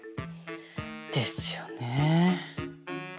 ですよね。